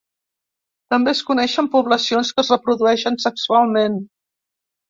També es coneixen poblacions que es reprodueixen sexualment.